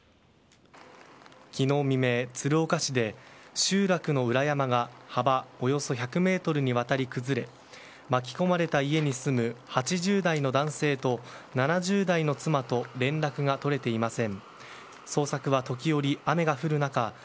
昨日未明、鶴岡市で集落の裏山が幅およそ１００ｍにわたり崩れ巻き込まれた家に住む８０代の男性と７０代の妻と連絡が取れていません。